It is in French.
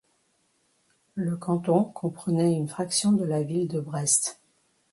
Le canton comprenait une fraction de la ville de Brest.